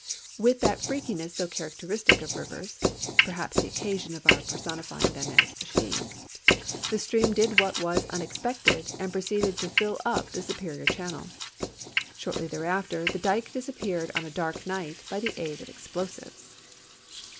With that freakiiiess so characteristic of rivers (perhaps the occasion of our personifying them as "she"), the stream did what was unexpected and i)ro ceeded to fill up the Superior channel. Shortly tliereafter the dyke disappeared on a dark night by the aid of explosives.